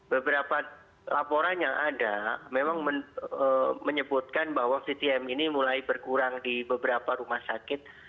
beberapa laporan yang ada memang menyebutkan bahwa vtm ini mulai berkurang di beberapa rumah sakit